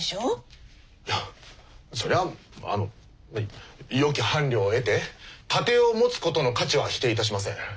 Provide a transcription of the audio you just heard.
いやそりゃあのまよき伴侶を得て家庭を持つことの価値は否定いたしません。